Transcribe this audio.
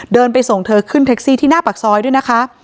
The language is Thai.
เดินไปส่งเธอขึ้นแท็กซี่ที่หน้าปากซอยด้วยนะคะ